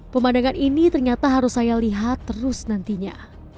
pemandangan ini ternyata harus saya lihat terus nantinya